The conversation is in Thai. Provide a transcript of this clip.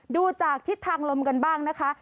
ดูจากทิศทางลมกันบ้างนะคะ